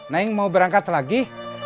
naing mau berangkat lagi